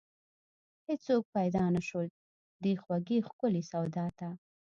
هیڅوک پیدا نشول، دې خوږې ښکلې سودا ته